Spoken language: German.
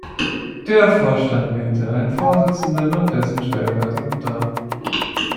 Der Vorstand wählt einen Vorsitzenden und dessen Stellvertreter.